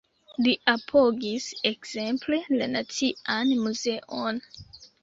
Li apogis ekzemple la Nacian Muzeon.